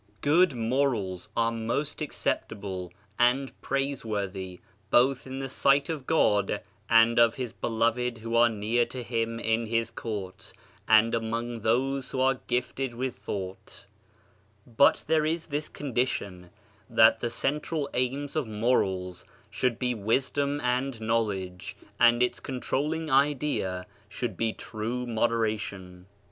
Good morals are most acceptable and praiseworthy both in the sight of God and of his beloved who are near to him in his Court, and among those who are gifted with thought But there is this condition that the central aims of morals should be wisdom and knowledge, and its controlling idea should be true moderation.